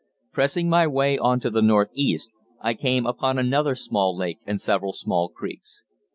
Pressing my way on to the northeast, I came upon another small lake and several small creeks.